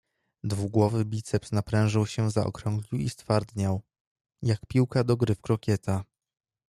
"Dwugłowy biceps naprężył się zaokrąglił i stwardniał, jak piłka do gry w krokieta."